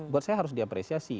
buat saya harus diapresiasi